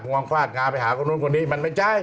วงฟาดงาไปหาคนนู้นคนนี้มันไม่ใช่